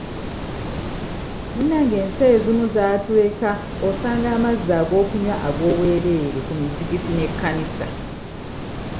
Munnange ensi ezimu zaatuleka osanga amazzi ag'okunywa ag'obwerere ku mizikiti n'ekkanisa.